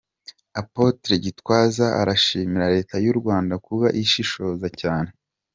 Apotre Gitwaza arashimira Leta y’u Rwanda kuba ishishoza cyane.